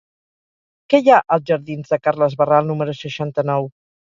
Què hi ha als jardins de Carles Barral número seixanta-nou?